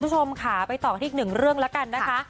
ผู้ชมค่ะไปต่อไปอีกหนึ่งเรื่องนะคะ